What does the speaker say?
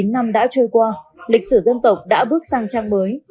sáu mươi chín năm đã trôi qua lịch sử dân tộc đã bước sang trang mới